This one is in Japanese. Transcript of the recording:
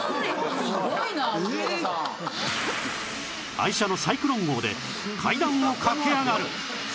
愛車のサイクロン号で階段を駆け上がる！